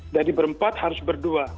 jadi berempat harus berdua